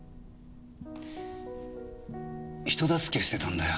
人助けしてたんだよ